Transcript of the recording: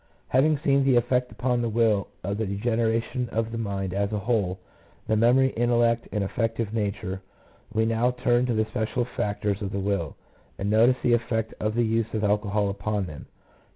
Having seen the effect upon the will of the de generation of the mind as a whole, the memory, intellect, and affective nature, we now turn to the special factors of the will, and notice the effect of the use of alcohol upon them.